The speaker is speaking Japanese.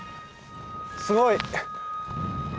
すごい！